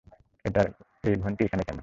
এই ঘণ্টি এখানে কেন?